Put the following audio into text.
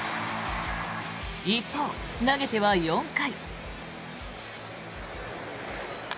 一方、投げては４回。